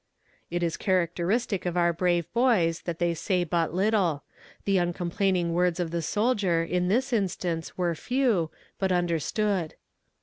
"It is characteristic of our brave boys that they say but little. The uncomplaining words of the soldier in this instance were few, but understood.